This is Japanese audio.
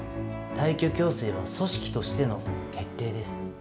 退去強制は組織としての決定です。